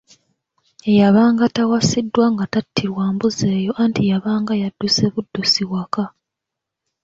Eyabanga tawasiddwa nga tattirwa mbuzi eyo anti yabanga yadduse buddusi waka.